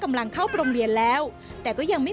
ทำไมเราต้องเป็นแบบเสียเงินอะไรขนาดนี้เวรกรรมอะไรนักหนา